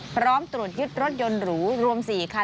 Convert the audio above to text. พร้อมตรวจยึดรถยนต์หรูรวม๔คัน